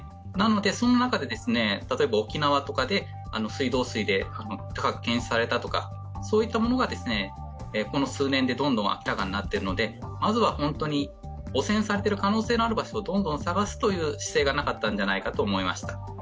その中で、例えば沖縄とかで水道水で高く検出されたとか、そういったものがこの数年でどんどん明らかになっているので、まずは本当に汚染されている可能性のある場所をどんどん探すという姿勢がなかったんじゃないかと思いました。